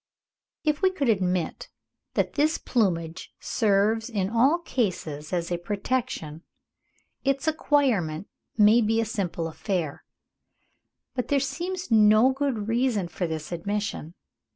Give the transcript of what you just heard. If we could admit that this plumage serves in all cases as a protection, its acquirement would be a simple affair; but there seems no good reason for this admission.